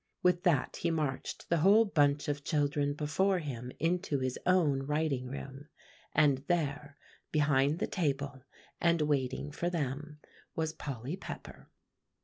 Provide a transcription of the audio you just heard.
With that he marched the whole bunch of children before him into his own writing room. And there, behind the table and waiting for them, was Polly Pepper.